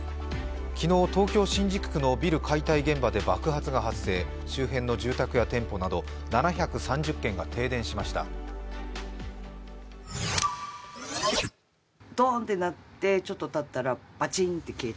昨日、東京・新宿区のビル解体現場で爆発が発生、周辺の住宅や店舗など７３０軒が停電しました。